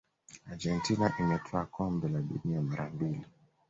argentina imetwaa kombe la dunia mara mbili